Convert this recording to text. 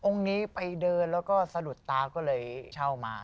นี้ไปเดินแล้วก็สะดุดตาก็เลยเช่ามา